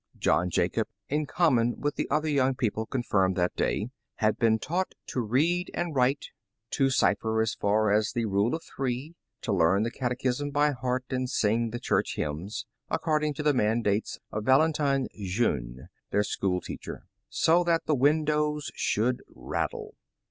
John Jacob, in common with the other young people con firmed that day, had been taught to read and write, to The Original John Jacob Astor cipher as far as the '' Rule of Three, '' to learn the cate chism by heart, and sing the church hymns, — according to the mandates of Valentine Jeune, their school teach er, —'' so that the windows should rattle.